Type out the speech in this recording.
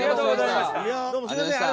どうもすみません